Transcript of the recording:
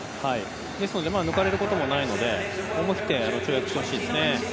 ですので抜かれることもないので思い切って跳躍してほしいです。